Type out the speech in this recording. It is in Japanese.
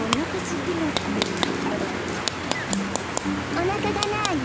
おなかがなに？